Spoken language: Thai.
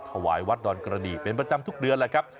ถวายวัดดอนกระดีเป็นประจำทุกเดือนแหละครับ